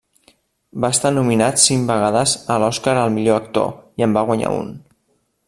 Va estar nominat cinc vegades a l'Oscar al millor actor, i en va guanyar un.